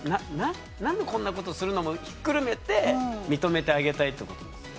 何でこんなことするの？もひっくるめて認めてあげたいってことですよね。